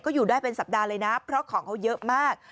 อยู่ได้เป็นสัปดาห์เลยนะเพราะของเขาเยอะมาก